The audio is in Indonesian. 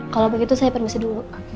kalau begitu saya produksi dulu